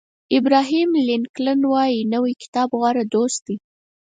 ابراهیم لینکلن وایي نوی کتاب غوره دوست دی.